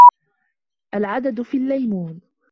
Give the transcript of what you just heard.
العدد في الليمون